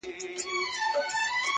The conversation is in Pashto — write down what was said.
o زما د زړه گلونه ساه واخلي.